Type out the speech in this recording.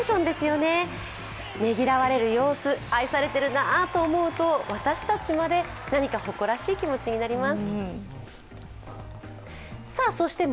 ねぎらわれる様子愛されているなと思うと私たちまで何か誇らしい気持ちになります。